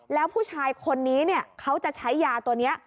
แล้วผู้ชายคนนี้เขาจะใช้ยาตัวนี้